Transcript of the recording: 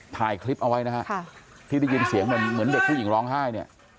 ถ่ายคลิปเอาไว้นะฮะที่ได้ยินเสียงเหมือนเด็กผู้หญิงร้องไห้เนี่ย